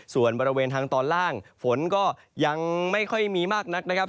ส่วนบริเวณทางตอนล่างฝนก็ยังไม่ค่อยมีมากนักนะครับ